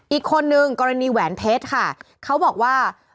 อีกคนนึงกรณีแหวนเพชรค่ะ